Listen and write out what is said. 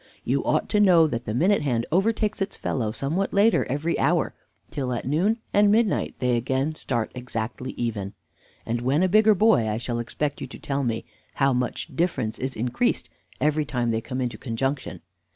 You ought to know that the minute hand overtakes its fellow somewhat later every hour, till at noon and midnight they again start exactly even; and when a bigger boy I shall expect you to tell me how much difference is increased every time they come into conjunction.